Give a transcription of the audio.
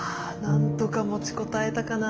なんとか持ちこたえたかな。